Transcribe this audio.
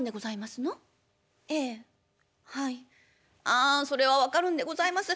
あんそれは分かるんでございます。